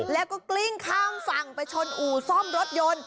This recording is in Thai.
แล้วก็กลิ้งข้ามฝั่งไปชนอู่ซ่อมรถยนต์